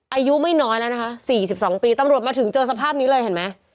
อายุไม่น้อยแล้วนะคะ๔๒ปีตำรวจมาถึงเจอสภาพนี้เลยเห็นไหม